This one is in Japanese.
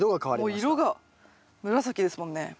もう色が紫ですもんね。